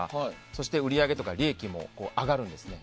そして、売り上げとか利益も上がるんですね。